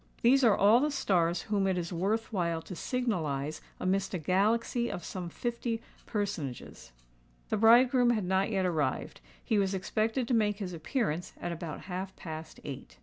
These are all the stars whom it is worth while to signalise amidst a galaxy of some fifty personages. The bridegroom had not yet arrived: he was expected to make his appearance at about half past eight.